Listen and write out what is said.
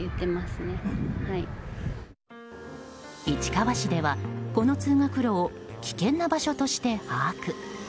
市川市では、この通学路を危険な場所として把握。